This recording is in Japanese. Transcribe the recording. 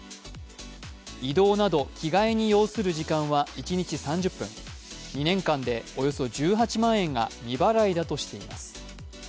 移動など着替えに要する時間は１日３０分、２年間でおよそ１８万円が未払いだとしています。